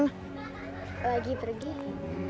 kenapa limpah ini sih kak